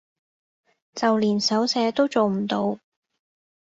就連手寫都做唔到